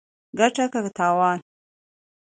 ګټه که تاوان